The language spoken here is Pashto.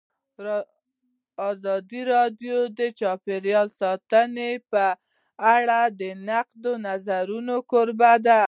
ازادي راډیو د چاپیریال ساتنه په اړه د نقدي نظرونو کوربه وه.